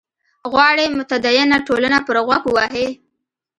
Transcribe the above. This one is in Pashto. غواړي متدینه ټولنه پر غوږ ووهي.